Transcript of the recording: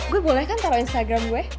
gue boleh kan taruh instagram gue